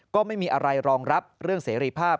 ก็ไม่มีอะไรรองรับเรื่องเสรีภาพ